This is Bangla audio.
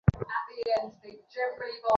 উপমা বানিয়ে দিবো?